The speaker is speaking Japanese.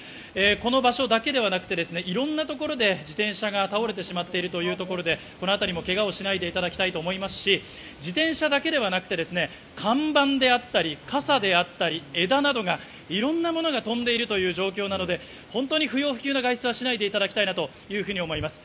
この場所だけではなくて、いろんなところで自転車が倒れてしまっているというところで、このあたりもけがをしないでいただきたいと思いますし、自転車だけではなく看板であったり、傘であったり、枝などがいろんなものが飛んでいる状況なので、不要不急の外出はしないでいただきたいと思います。